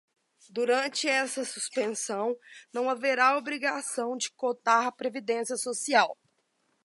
Durante esta suspensão, não haverá obrigação de cotar a previdência social.